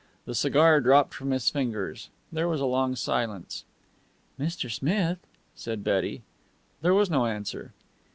The cigar dropped from his fingers. There was a long silence. "Mr. Smith," said Betty. There was no answer.